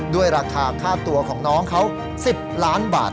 ด้วยราคาค่าตัวของน้องเขา๑๐ล้านบาท